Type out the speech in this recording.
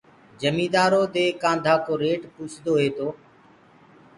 جميدآرو دي ڪآنڌآ ڪو ريٽ پوڇدو هي تو